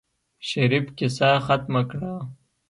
شريف کيسه ختمه کړه.